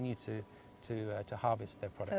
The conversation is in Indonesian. jadi pembangunan bisa terus mengembang